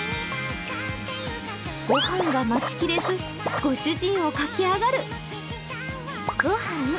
御飯が待ちきれず、ご主人を駆け上がる。